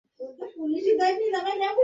এই, একদম আমাদের দোষারোপ করবেন না।